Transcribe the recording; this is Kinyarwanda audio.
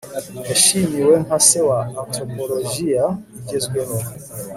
yashimiwe nka se wa antropropologiya igezweho